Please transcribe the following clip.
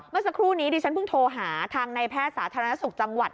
เมื่อสักครู่นี้ดิฉันเพิ่งโทรหาทางในแพทย์สาธารณสุขจังหวัด